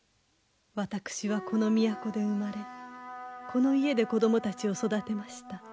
私はこの都で生まれこの家で子供たちを育てました。